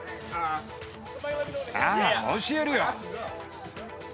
ああ、教えるよ。